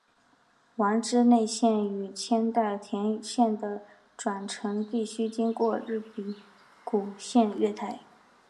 丸之内线与千代田线的转乘必须经过日比谷线月台。